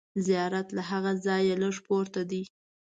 زیارت له هغه ځایه لږ پورته دی.